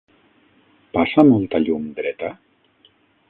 Passa molta llum dreta?